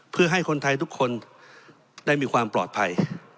เพื่อให้คนไทยทุกคนได้มีความปลอดภัย